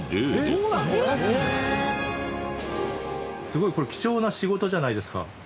すごいこれ貴重な仕事じゃないですか。